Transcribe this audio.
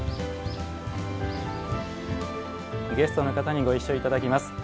ゲストの方にご一緒いただきます。